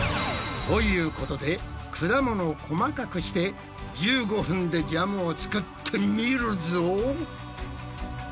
ということで果物を細かくして１５分でジャムを作ってみるぞ。